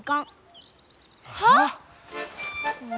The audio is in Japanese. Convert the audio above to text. はあ！？